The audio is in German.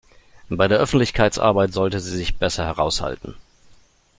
Bei der Öffentlichkeitsarbeit sollte sie sich besser heraushalten.